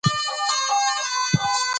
ګلپي په ژمي کې ډیر پیدا کیږي.